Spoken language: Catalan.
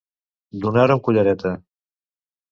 Donar-ho amb cullereta.